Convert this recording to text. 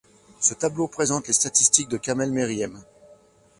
Ce tableau présente les statistiques de Camel Meriem.